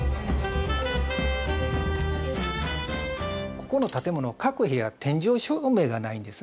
ここの建物各部屋天井照明がないんですね。